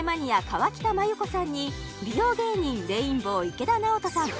河北麻友子さんに美容芸人レインボー池田直人さん